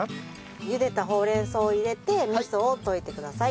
茹でたほうれん草を入れて味噌を溶いてください。